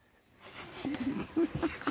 フフフフ。